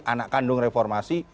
anak kandung reformasi